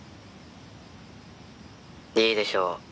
「いいでしょう。